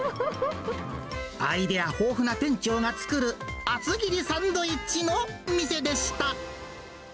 アイデア豊富な店長が作る、厚切りサンドイッチの店でした。